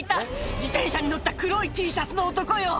自転車に乗った黒いＴシャツの男よ。